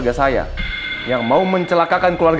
kamu tau nggak dislocator del pound